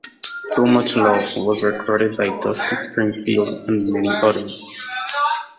"So Much Love" was recorded by Dusty Springfield and many others.